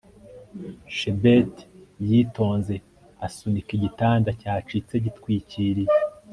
chebet yitonze asunika igitanda cyacitse gitwikiriye